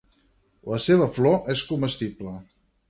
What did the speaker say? La seva flor és comestible.